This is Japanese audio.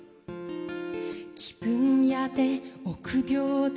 「気分屋で臆病で」